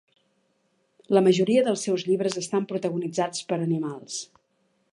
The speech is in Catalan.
La majoria dels seus llibres estan protagonitzats per animals.